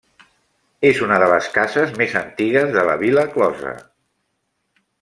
És una de les cases més antigues de la vila closa.